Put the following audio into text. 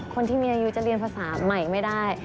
คนที่มีอายุจะเรียนภาษาใหม่ไม่ได้